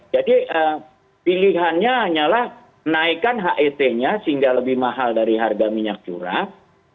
jadi pilihannya hanyalah menaikkan het nya sehingga lebih mahal dari harga minyak curah